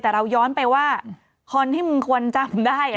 แต่เราย้อนไปว่าคนที่มึงควรจำได้